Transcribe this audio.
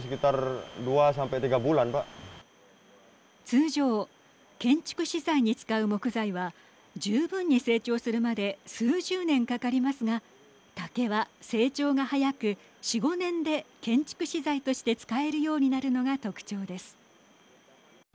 通常、建築資材に使う木材は十分に成長するまで数十年かかりますが竹は、成長が早く４、５年で建築資材として使えるようになるのが特徴です。